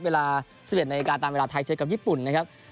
เวลา๑๑นาฬิกาตามเวลาไทยเจอกับญี่ปุ่นนะครับ